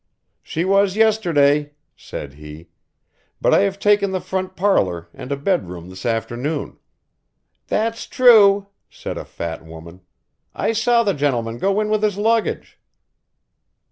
"She was yesterday," said he, "but I have taken the front parlour and a bed room this afternoon." "That's true," said a fat woman, "I saw the gentleman go in with his luggage."